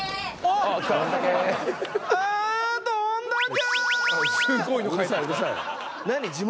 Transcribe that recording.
どんだけ。